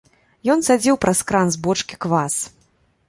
Ён цадзіў праз кран з бочкі квас.